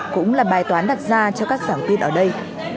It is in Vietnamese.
cũng là bài toán đặt ra cho các giảng viên ở đây